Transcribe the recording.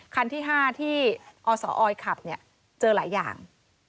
คันที่๕ที่อสออยขับเจอหลายอย่าง